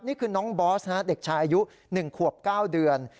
นี่คือน้องบอสนะฮะเด็กชายอายุ๑ขวบ๙เดือน